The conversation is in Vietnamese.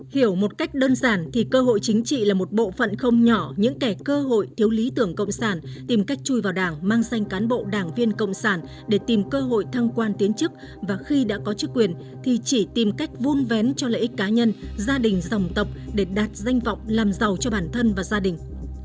hiểu một cách đơn giản thì cơ hội chính trị là một bộ phận không nhỏ những kẻ cơ hội thiếu lý tưởng cộng sản tìm cách chui vào đảng mang danh cán bộ đảng viên cộng sản để tìm cơ hội thăng quan tiến chức và khi đã có chức quyền thì chỉ tìm cách vun vén cho lợi ích cá nhân gia đình dòng tộc để đạt danh vọng làm giàu cho bản thân và gia đình